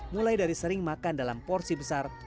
mulai dari sering makan dalam porsi besar